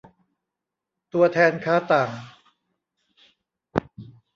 ตัวแทนค้าต่าง